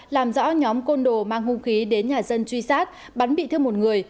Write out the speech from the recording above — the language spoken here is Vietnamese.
làm rõ nhóm côn đồ mang hung khí đến nhà dân truy sát bắn bị thương một người